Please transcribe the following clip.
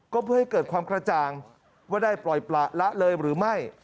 ก็เพื่อให้เกิดความกระจ่างว่าได้ปล่อยประละเลยหรือไม่